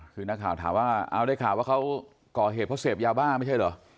คือนักข่าวถามว่าเอาได้ข่าวว่าเขาก่อเหตุเพราะเสพยาบ้าไม่ใช่เหรอ